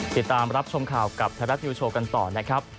ติดตามรับชมข่าวกับไทยรัฐนิวโชว์กันต่อนะครับ